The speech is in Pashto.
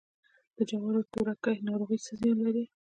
د جوارو تورکي ناروغي څه زیان لري؟